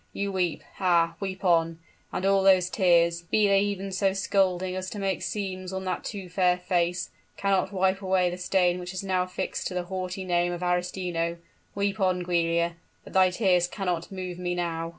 You weep! Ah! weep on; and all those tears, be they even so scalding as to make seams on that too fair face, cannot wipe away the stain which is now affixed to the haughty name of Arestino! Weep on, Giulia; but thy tears cannot move me now!"